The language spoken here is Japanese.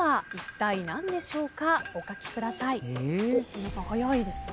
皆さん早いですね。